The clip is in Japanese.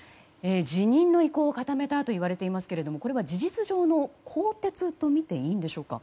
辞任の意向を固めたといわれていますがこれは事実上の更迭とみていいんでしょうか。